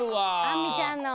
あんみちゃんの。